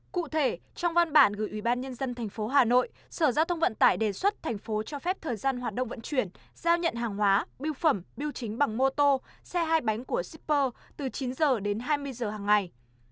cụ thể trong văn bản gửi ủy ban nhân dân tp hà nội sở giao thông vận tải đề xuất thành phố cho phép thời gian hoạt động vận chuyển giao nhận hàng hóa biêu phẩm biểu chính bằng mô tô xe hai bánh của shipper từ chín h đến hai mươi h hàng ngày